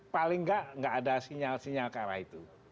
paling nggak ada sinyal sinyal ke arah itu